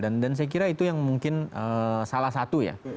dan saya kira itu yang mungkin salah satu ya